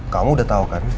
kamu udah tau kan